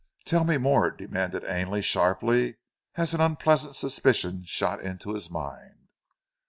"Tell me more," demanded Ainley sharply, as an unpleasant suspicion shot into his mind.